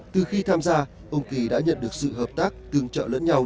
từ khi tham gia ông kỳ đã nhận được sự hợp tác tương trợ lẫn nhau